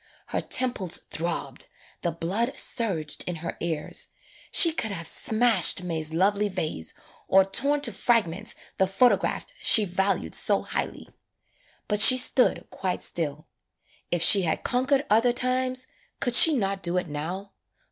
Her tem ples throbbed, the blood surged in her ears, she could have smashed May's lovely vase, or torn to fragments the photograph she valued so highly. But she stood quite still. If she had conquered other times, could she not do it now?